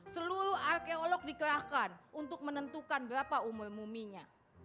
seluruh arkeolog dikerahkan untuk menentukan berapa umur muminya